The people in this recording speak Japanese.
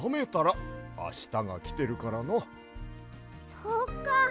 そっか。